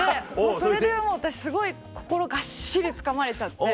それでもう私すごい心がっしりつかまれちゃって。